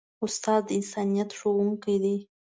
استاد د انسانیت ښوونکی دی.